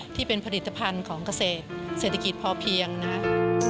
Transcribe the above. ที่เป็นผลิตภัณฑ์ของเกษตรเศรษฐกิจพอเพียงนะครับ